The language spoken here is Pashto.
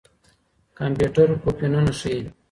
کمپيوټر کوپنونه ښيي.